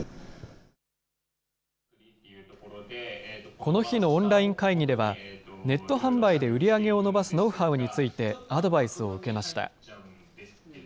この日のオンライン会議では、ネット販売で売り上げを伸ばすノウハウについて、アドバイスを受けました。